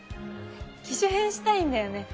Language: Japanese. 機種変したいんだよね。